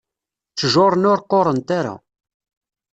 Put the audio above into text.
Ttjur-nni ur qqurent ara.